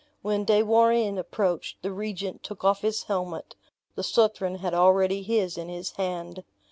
When De Warenne approached, the regent took off his helmet; the Southron had already his in his hand.